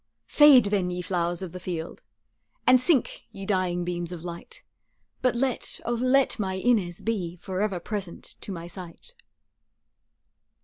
Fade then, ye flowers of the field, And sink, ye dying beams of light, But let, O let my Inez be Forever present to my sight.